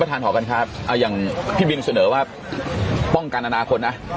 ท่านหอกันครับอย่างพี่บินเสนอว่าป้องกันอนาคตนะ